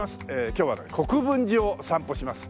今日はね国分寺を散歩します。